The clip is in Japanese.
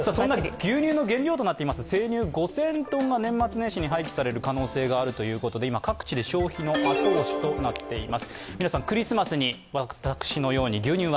牛乳の原料となっている生乳５０００ｔが廃棄されるピンチにあるということで今各地で消費の後押しとなっています。